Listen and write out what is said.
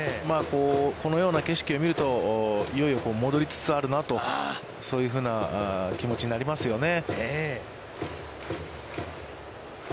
このような景色を見ると、いよいよ戻りつつあるなと、そういうふうな気持ちになりますよね。